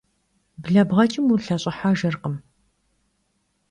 Blebğeç'ım, vulheş'ıhejjırkhım.